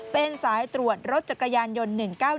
เป็นสายตรวจรถจักรยานยนต์๑๙๑